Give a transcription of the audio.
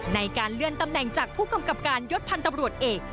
ในการเลื่อนตำแหน่งจากผู้กำกับการยศพันธ์ตำรวจเอก